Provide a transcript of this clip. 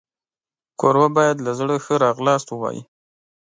کوربه باید له زړه ښه راغلاست ووایي.